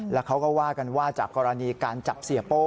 แล้วเขาก็ว่ากันว่าจากกรณีการจับเสียโป้